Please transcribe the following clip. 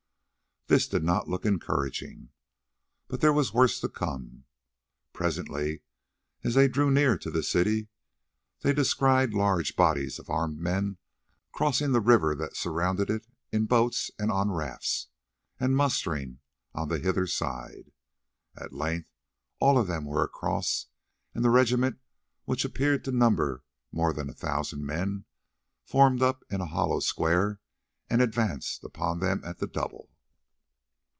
This did not look encouraging, but there was worse to come. Presently, as they drew near to the city, they descried large bodies of armed men crossing the river that surrounded it in boats and on rafts, and mustering on the hither side. At length all of them were across, and the regiment, which appeared to number more than a thousand men, formed up in a hollow square and advanced upon them at the double.